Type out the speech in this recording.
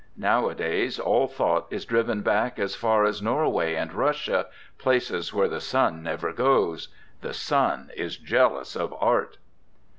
Nowadays all thought is driven back as far as Norway and Russia, places where the sun never goes. The sun is jealous of art.'